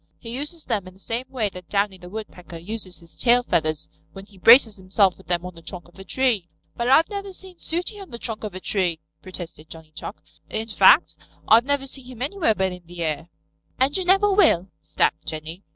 He uses them in the same way that Downy the Woodpecker uses his tail feathers when he braces himself with them on the trunk of a tree." "But I've never seen Sooty on the trunk of a tree," protested Johnny Chuck. "In fact, I've never seen him anywhere but in the air." "And you never will," snapped Jenny.